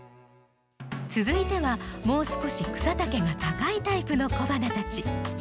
続いてはもう少し草丈が高いタイプの小花たち。